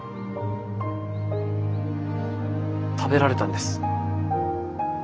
食べられたんです。